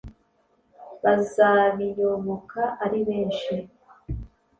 bazabiyoboka ari benshi